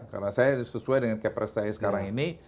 karena saya sesuai dengan kepercayaan saya sekarang ini